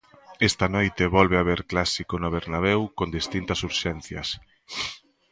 Esta noite volve haber clásico no Bernabeu con distintas urxencias.